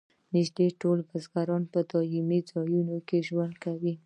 نږدې ټول بزګر په دایمي ځایونو کې ژوند کاوه.